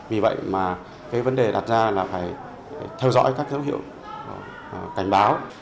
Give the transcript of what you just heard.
vì vậy vấn đề đặt ra là phải theo dõi các dấu hiệu cảnh báo